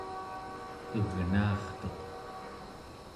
egnaartuq